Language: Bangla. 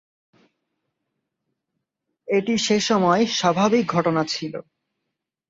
এটি সেসময় স্বাভাবিক ঘটনা ছিল।